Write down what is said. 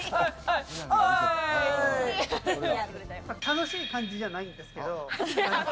楽しい感じじゃないんですけど。